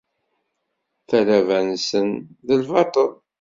Talaba-nsen, d lbaṭel.